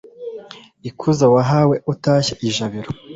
ikuzo wahawe utashye i jabiro